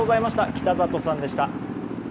北里さんでした。